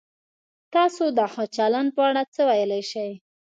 تاسو د ښه چلند په اړه څه ویلای شئ؟